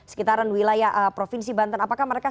sekitaran wilayah provinsi banten apakah mereka